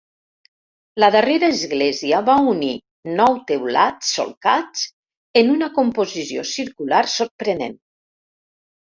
La darrera església va unir nou teulats solcats en una composició circular sorprenent.